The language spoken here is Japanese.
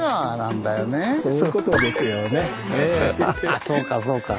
ああそうかそうか。